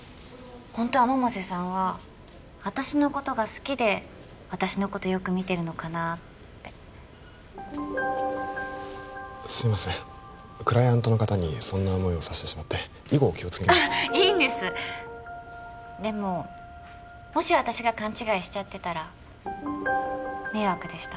ホントは百瀬さんは私のことが好きで私のことよく見てるのかなってすいませんクライアントの方にそんな思いをさせてしまって以後気をつけあっいいんですでももし私が勘違いしちゃってたら迷惑でした？